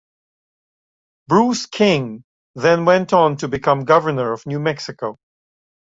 Bruce King then went on to become Governor of New Mexico.